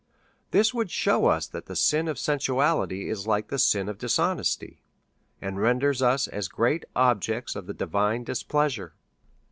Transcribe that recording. This would shew us that the sin of sensuality is like the sin of dishonesty, and renders us as great objects of the divine displeasure.